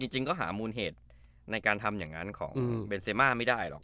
จริงก็หามูลเหตุในการทำอย่างนั้นของเบนเซมาไม่ได้หรอก